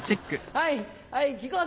はい。